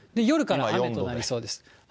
夜から雨となりそうです。